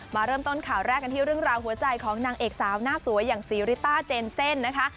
มาเริ่มต้นข่าวแรกกันที่เรื่องราวหัวใจของนางเอกสาวหน้าสวยอย่างซีริต้าเจนเซ่นนะคะ